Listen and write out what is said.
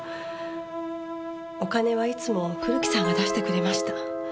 お金はいつも古木さんが出してくれました。